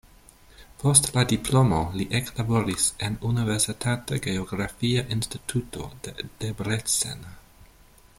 Post la diplomo li eklaboris en universitata geografia instituto de Debrecen.